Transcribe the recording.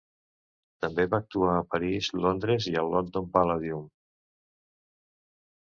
També va actuar a París, Londres i al London Palladium.